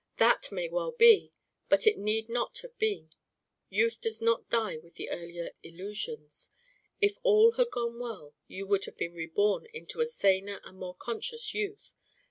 "That may well be, but it need not have been. Youth does not die with the earlier illusions. If all had gone well, you would have been reborn into a saner and more conscious youth.